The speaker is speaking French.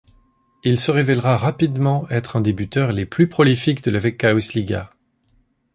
Il se révèlera rapidement être un des buteurs les plus prolifiques de la Veikkausliiga.